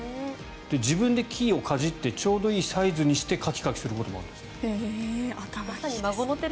自分で木をかじってちょうどいいサイズにしてカキカキすることもあるんですって。